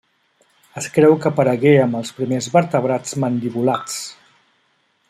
Es creu que aparegué amb els primers vertebrats mandibulats.